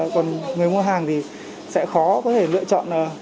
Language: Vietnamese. còn người mua hàng thì sẽ khó có thể lựa chọn